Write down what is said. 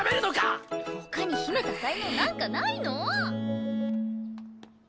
他に秘めた才能なんかないの？